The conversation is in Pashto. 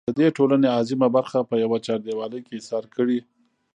د دې ټـولنې اعظـيمه بـرخـه پـه يـوه چـارديـوالي کـې اېـسارې کـړي.